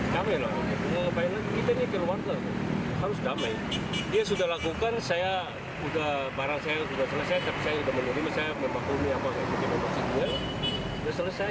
saya sudah selesai saya sudah menurunkan saya sudah memaklumi apa yang dikirimkan di sini sudah selesai